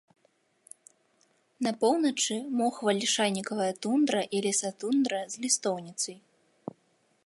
На поўначы мохава-лішайнікавая тундра і лесатундра з лістоўніцай.